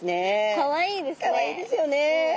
かわいいですよね。